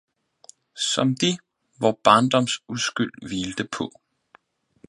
som de, vor barndoms uskyld hvilte på!